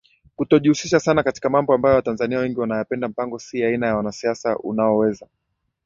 kutojihusisha sana katika mambo ambayo Watanzania wengi wanayapenda Mpango si aina ya wanasiasa unaoweza